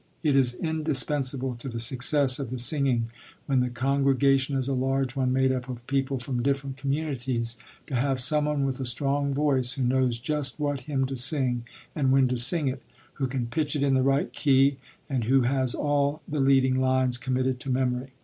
It is indispensable to the success of the singing, when the congregation is a large one made up of people from different communities, to have someone with a strong voice who knows just what hymn to sing and when to sing it, who can pitch it in the right key, and who has all the leading lines committed to memory.